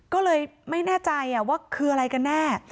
ก็เลยไม่แน่ใจว่าคืออะไรกันแน่